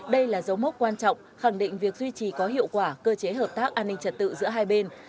đây là dấu mốc quan trọng khẳng định việc duy trì có hiệu quả cơ chế hợp tác an ninh trật tự giữa hai bên